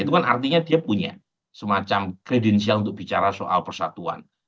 itu kan artinya dia punya semacam kredensial untuk bicara soal persatuan